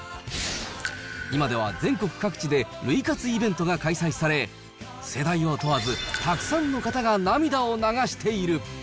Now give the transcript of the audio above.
今では全国各地で涙活イベントが開催され、世代を問わず、たくさんの方が涙を流している。